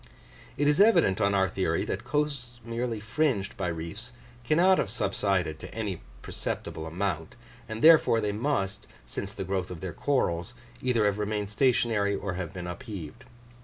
It is evident, on our theory, that coasts merely fringed by reefs cannot have subsided to any perceptible amount; and therefore they must, since the growth of their corals, either have remained stationary or have been upheaved.